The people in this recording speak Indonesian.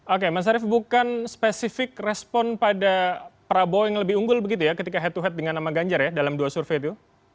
oke mas arief bukan spesifik respon pada prabowo yang lebih unggul begitu ya ketika head to head dengan nama ganjar ya dalam dua survei itu